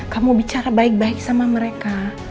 kamu bicara baik baik sama mereka